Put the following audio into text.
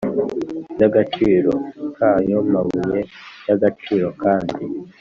by agaciro k ayo mabuye y agaciro kandi